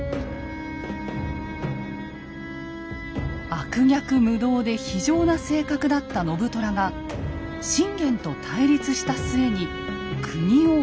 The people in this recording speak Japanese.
悪逆無道で非情な性格だった信虎が信玄と対立した末に国を追われた。